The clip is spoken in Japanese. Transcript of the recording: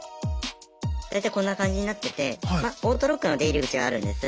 大体こんな感じになっててまオートロックの出入り口があるんです。